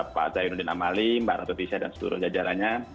pak zayunudin amali mbak ratutisya dan seluruh jajarannya